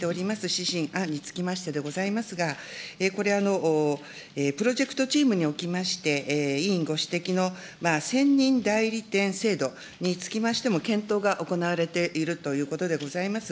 指針案につきましてでございますが、これ、プロジェクトチームにおきまして、委員ご指摘のせんにん代理店制度につきましても、検討が行われているということでございます。